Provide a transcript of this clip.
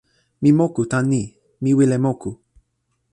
mi moku tan ni: mi wile moku.